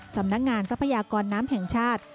สำนักงานสรรพยากรน้ำแห่งชาติ